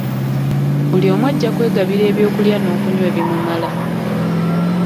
Buli omu ajja kwegabira eby’okulya n’okunywa ebimumala.